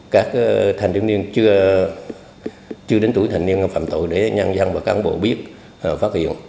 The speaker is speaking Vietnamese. các thanh thiếu niên chưa đến tuổi thanh niên phạm tội để nhân dân và cán bộ biết phát hiện